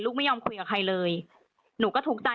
ไม่ยอมคุยกับใครเลยหนูก็ทุกข์ใจ